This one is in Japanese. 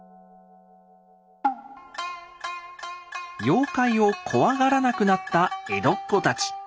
妖怪を怖がらなくなった江戸っ子たち。